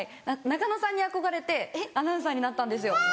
中野さんに憧れてアナウンサーになったんですよ。